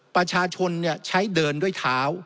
ประชาชนใช้เดินด้วยเท้า